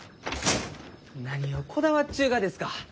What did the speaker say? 何をこだわっちゅうがですか？